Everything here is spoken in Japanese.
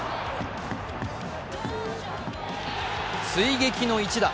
追撃の一打。